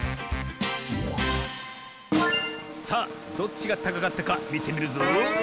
さあどっちがたかかったかみてみるぞ。